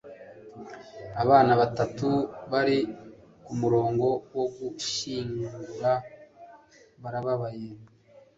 Abana batatu bari kumurongo wo gushyingura barababaye